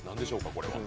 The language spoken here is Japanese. これは。